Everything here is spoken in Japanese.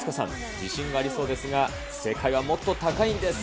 自信がありそうですが、正解はもっと高いんです。